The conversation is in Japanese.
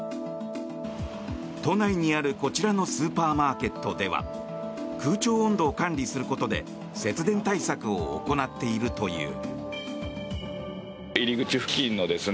都内にあるこちらのスーパーマーケットでは空調温度を管理することで節電対策を行っているという。